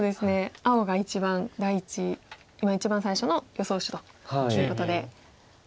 青が一番最初の予想手ということで。